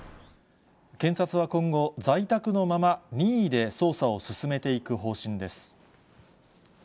検察は今後、在宅のまま任意で捜査を進めていく方針です。